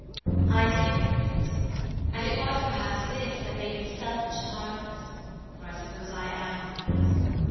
"I did remember this; and it was, perhaps, this that made me selfish and heartless, for I suppose I am heartless.